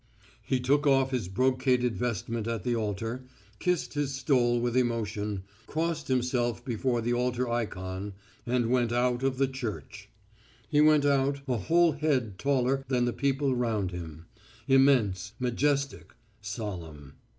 He took off his brocaded vestment at the altar, kissed his stole with emotion, crossed himself before the altar ikon, and went out of the church. He went out, a whole head taller than the people round him, immense, majestic, solemn.